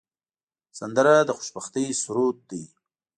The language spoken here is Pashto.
سندره د خوشبختۍ سرود دی